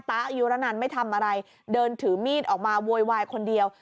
อายุระนันไม่ทำอะไรเดินถือมีดออกมาโวยวายคนเดียว